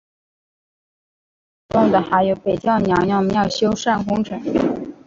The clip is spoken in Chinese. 房山区同期启动的还有北窖娘娘庙修缮工程。